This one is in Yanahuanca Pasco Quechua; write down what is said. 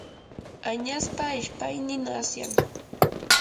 añaspa ishpaynin asyan.